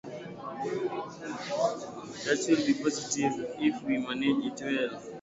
That should be positive if we manage it well.